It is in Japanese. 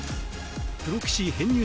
プロ棋士編入